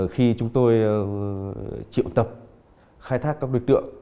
khi chúng tôi triệu tập khai thác các đối tượng